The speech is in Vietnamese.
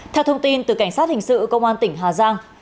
theo thông tin từ cảnh sát hình sự công an tỉnh hà giang